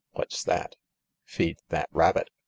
"What's that?" "Feed that rabbit.